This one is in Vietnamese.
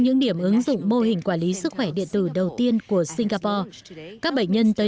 cũng như giảm thiểu các chi phí